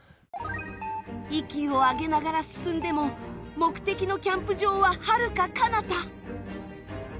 息を上げながら進んでも目的のキャンプ場ははるかかなた。